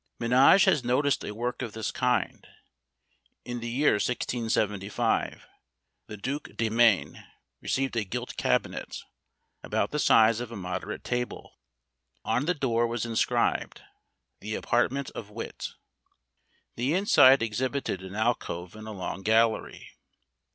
Menage has noticed a work of this kind. In the year 1675, the Duke de Maine received a gilt cabinet, about the size of a moderate table. On the door was inscribed, "The Apartment of Wit." The inside exhibited an alcove and a long gallery.